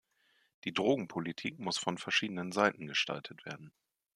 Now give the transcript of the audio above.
Die Drogenpolitik muss von verschiedenen Seiten gestaltet werden.